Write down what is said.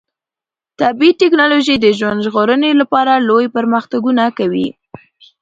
طبي ټکنالوژي د ژوند ژغورنې لپاره لوی پرمختګونه کوي.